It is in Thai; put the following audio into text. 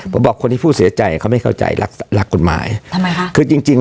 ผมบอกคนที่พูดเสียใจเขาไม่เข้าใจรักรักกฎหมายทำไมคะคือจริงจริง